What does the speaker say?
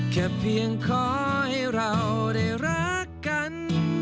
เพียงขอให้เราได้รักกัน